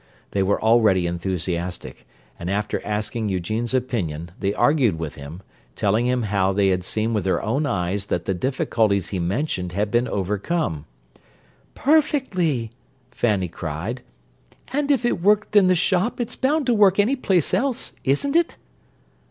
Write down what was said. They were already enthusiastic, and after asking Eugene's opinion they argued with him, telling him how they had seen with their own eyes that the difficulties he mentioned had been overcome. "Perfectly!" Fanny cried. "And if it worked in the shop it's bound to work any place else, isn't it?"